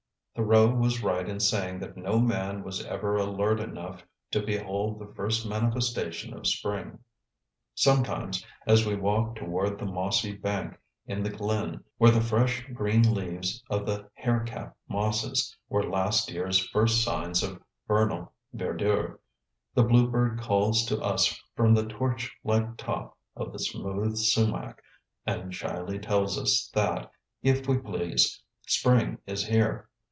Thoreau was right in saying that no man was ever alert enough to behold the first manifestation of spring. Sometimes as we walk toward the mossy bank in the glen where the fresh green leaves of the haircap mosses were last year's first signs of vernal verdure, the bluebird calls to us from the torch like top of the smooth sumac and shyly tells us that, if we please, spring is here.